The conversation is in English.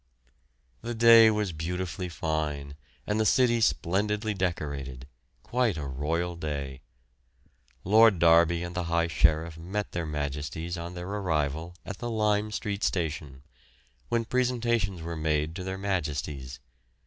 The day was beautifully fine and the city splendidly decorated, quite a royal day. Lord Derby and the High Sheriff met their Majesties on their arrival at Lime Street Station, when presentations were made to their Majesties.